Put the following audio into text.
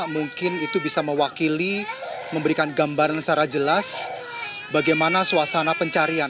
mungkin itu bisa mewakili memberikan gambaran secara jelas bagaimana suasana pencarian